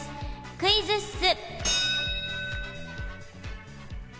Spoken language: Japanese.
クイズッス！